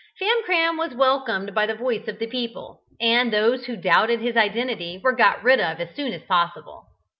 Famcram was welcomed by the voice of the people, and those who doubted his identity were got rid of as soon as possible.